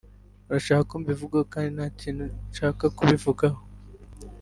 urashaka ko mbivugaho kandi nta kintu nshaka kubivugaho tu